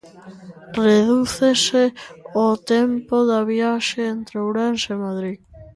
Redúcese o tempo da viaxe entre Ourense e Madrid.